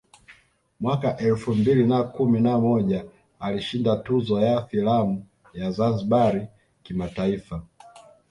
Mwaka elfu mbili na kumi na moja alishinda tuzo ya filamu ya ZanzibarI kimataifa